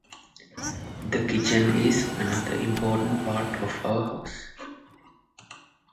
The kitchen is another important part of our house.